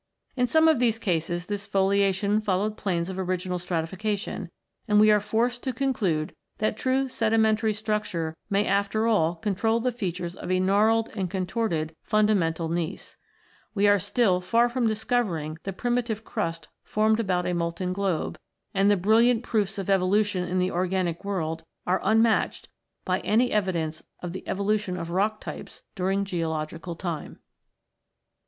In some of these cases, this foliation followed planes of original stratification, and we are forced to conclude that true sedimentary structure may after all control the features of a gnarled and contorted fundamental gneiss. We are still far from discovering the primitive crust formed about a molten globe, and the brilliant proofs of evolution in the orgaiiic world are unmatched by any evidence of the evolution of rock types during geological time.